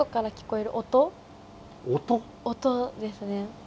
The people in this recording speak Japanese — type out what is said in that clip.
音？音ですね。